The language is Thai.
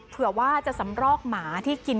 กลับด้านหลักหลักหลัก